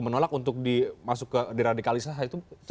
menolak untuk dimasukkan diradikalisasi itu bagaimana